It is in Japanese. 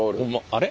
あれ？